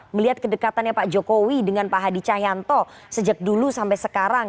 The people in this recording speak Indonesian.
melihat kedekatannya pak jokowi dengan pak hadi cahyanto sejak dulu sampai sekarang